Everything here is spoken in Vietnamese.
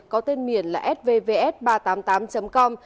có tên miền là svvs ba trăm tám mươi tám com